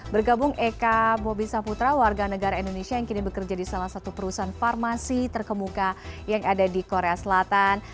bergabung eka bobi saputra warga negara indonesia yang kini bekerja di salah satu perusahaan farmasi terkemuka yang ada di korea selatan